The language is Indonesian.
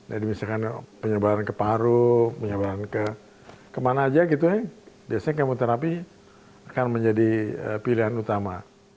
jadi misalkan penyebaran ke paru penyebaran kemana aja gitu ya biasanya kemoterapi akan menjadi pilihan utama